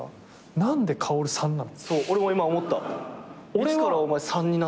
何で「薫さん」なの？